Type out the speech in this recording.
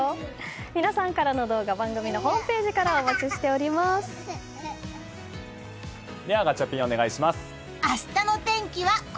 皆さんからの動画、番組のホームページからではガチャピン、お願いします。